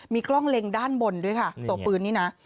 มีกล้องเล็งด้านบนด้วยค่ะตัวปืนนี่นะ